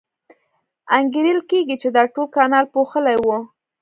انګېرل کېږي چې دا ټول کانال پوښلی و.